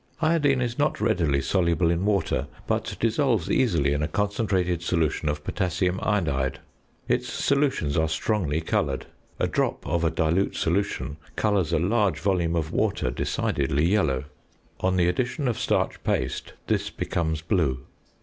Iodine is not readily soluble in water; but dissolves easily in a concentrated solution of potassium iodide. Its solutions are strongly coloured; a drop of a dilute solution colours a large volume of water decidedly yellow; on the addition of starch paste, this becomes blue.